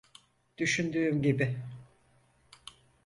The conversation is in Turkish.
Düşündüğüm gibi.